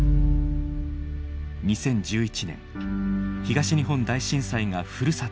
２０１１年東日本大震災がふるさとを襲った。